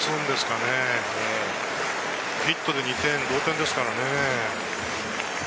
ヒットで２点、同点ですからね。